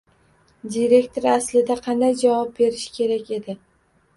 Direktor aslida qanday javob berishi kerak edi?